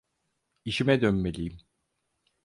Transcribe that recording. İşime dönmeliyim.